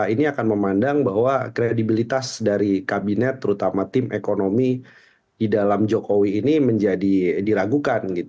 ini akan memandang bahwa kredibilitas dari kabinet terutama tim ekonomi di dalam jokowi ini menjadi diragukan